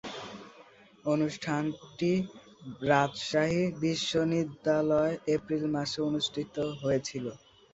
অনুষ্ঠানটি রাজশাহী বিশ্বনিদ্যালয়ে এপ্রিল মাসে অনুষ্ঠিত হয়েছিলো।